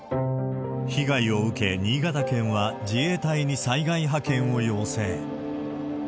被害を受け、新潟県は自衛隊に災害派遣を要請。